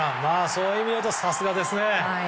そういう意味でいうとさすがですね。